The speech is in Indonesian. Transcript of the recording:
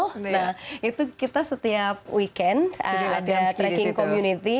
nah itu kita setiap weekend ada streking community